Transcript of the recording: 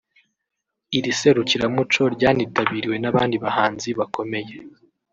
Iri serukiramuco ryanitabiriwe n’abandi bahanzi bakomeye